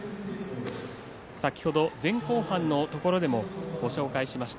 先ほど前後半のところでもご紹介しました。